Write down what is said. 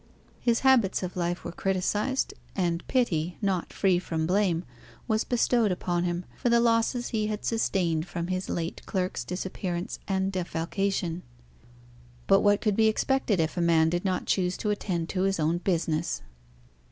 His habits of life were criticised; and pity, not free from blame, was bestowed upon him for the losses he had sustained from his late clerk's disappearance and defalcation. But what could be expected if a man did not choose to attend to his own business?